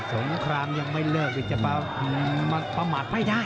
สงครามยังไม่เลิกอีกจะมาประมาทไม่ได้